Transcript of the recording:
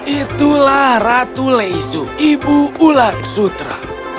itulah ratu leisu ibu ulat sutra